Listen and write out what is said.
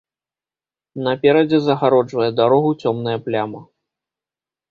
Наперадзе загараджвае дарогу цёмная пляма.